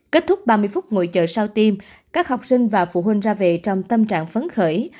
kết thúc ba mươi phút ngồi chờ sau tiêm các học sinh và phụ huynh ra về trong tâm trạng phấn khởi